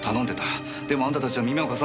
でもあんたたちは耳を貸さなかった。